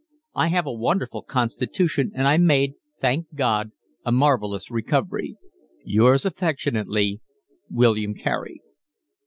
I have a wonderful constitution and I made, thank God, a marvellous recovery. Yours affectionately, William Carey.